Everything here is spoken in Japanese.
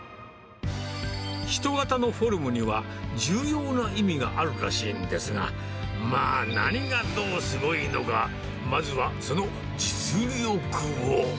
人型のフォルムには、重要な意味があるらしいんですが、まあ、何がどうすごいのか、まずはその実力を。